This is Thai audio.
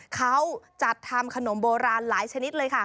เขาจัดทำขนมโบราณหลายชนิดเลยค่ะ